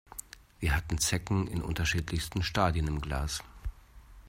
Wir hatten Zecken in unterschiedlichsten Stadien im Glas.